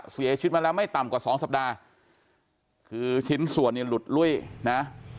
เสียชีวิตมาแล้วไม่ต่ำกว่าสองสัปดาห์คือชิ้นส่วนเนี่ยหลุดลุ้ยนะ